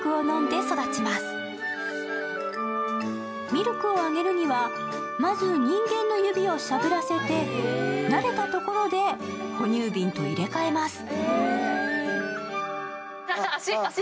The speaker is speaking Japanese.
ミルクをあげるには、まず人間の指をしゃぶらせて慣れたところで哺乳瓶と入れ替えます。